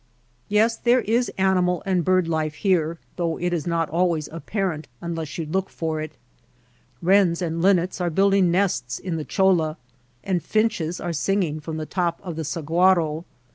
Yes, there is animal and bird life here though it is not always apparent unless you look for it. THE APPROACH Wrens and linnets are building nests in the cholla, and finches are singing from the top of the sahnaro.